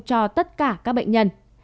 cho tất cả các bệnh nhân